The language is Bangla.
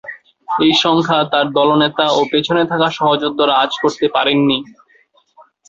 এই সংখ্যা তার দলনেতা ও পেছনে থাকা সহযোদ্ধারা আঁচ করতে পারেননি।